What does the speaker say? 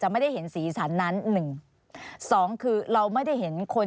สวัสดีครับทุกคน